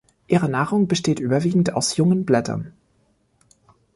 Ihre Nahrung besteht überwiegend aus jungen Blättern.